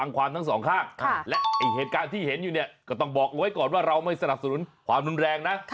คุณต้องบอกไว้ก่อนว่าเราไม่สนับสนุนความนุ่นแรงนะ